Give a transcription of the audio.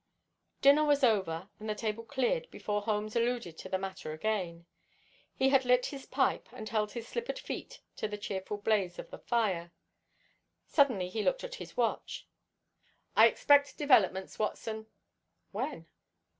Dinner was over and the table cleared before Holmes alluded to the matter again. He had lit his pipe and held his slippered feet to the cheerful blaze of the fire. Suddenly he looked at his watch. "I expect developments, Watson." "When?"